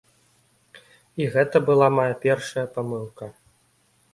І гэта была мая першая памылка.